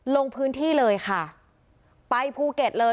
ลงพื้นที่เลยค่ะไปภูเก็ตเลย